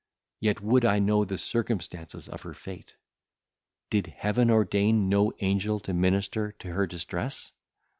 Yet would I know the circumstances of her fate. Did Heaven ordain no angel to minister to her distress?